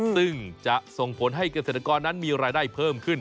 ซึ่งจะส่งผลให้เกษตรกรนั้นมีรายได้เพิ่มขึ้น